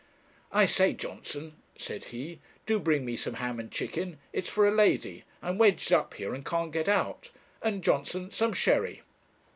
'I say, Johnson,' said he, 'do bring me some ham and chicken it's for a lady I'm wedged up here and can't get out and, Johnson, some sherry.'